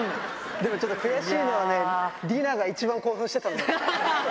でもちょっと悔しいのはね、リナが一番興奮してたんですよね。